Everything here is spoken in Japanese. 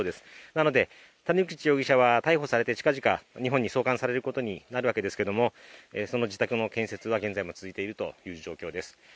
なので谷口容疑者は逮捕されて近々、日本に送還されることになるわけですけれどもその自宅の建設が現在も続いているという状況です。